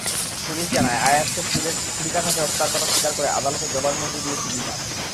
Police জানায়, আয়াজকে ছুরিকাঘাতে হত্যার কথা স্বীকার করে আদালতে জবানবন্দি দিয়েছে জিসান।